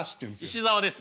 石沢です。